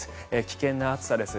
危険な暑さです。